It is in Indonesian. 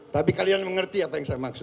tapi kalian mengerti apa yang saya maksud